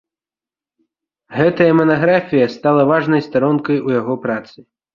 Гэтая манаграфія стала важнай старонкай у яго працы.